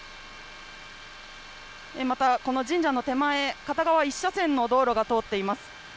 またこの神社の手前、片側１車線の道路が通っています。